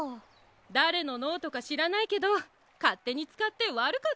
だれのノートかしらないけどかってにつかってわるかったわ。